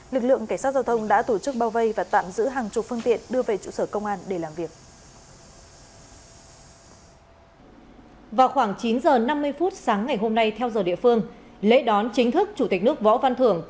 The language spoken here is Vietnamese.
lực lượng cảnh sát giao thông đã tổ chức bao vây và tạm giữ hàng chục phương tiện